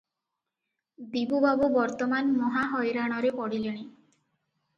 ଦିବୁବାବୁ ବର୍ତ୍ତମାନ ମହା ହଇରାଣରେ ପଡିଲେଣି ।